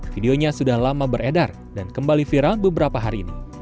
videonya sudah lama beredar dan kembali viral beberapa hari ini